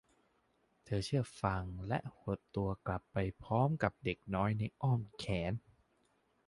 เธอเชื่อฟังและหดตตัวกลับไปพร้อมกับเด็กน้อยในอ้อมแขน